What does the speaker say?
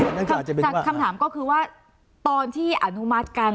แต่คำถามก็คือว่าตอนที่อนุมัติกัน